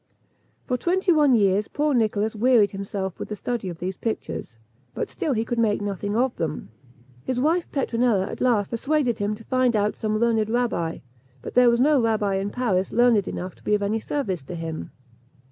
For twenty one years poor Nicholas wearied himself with the study of these pictures, but still he could make nothing of them. His wife Petronella at last persuaded him to find out some learned rabbi; but there was no rabbi in Paris learned enough to be of any service to him.